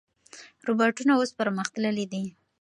روباټونه اوس پرمختللي دي.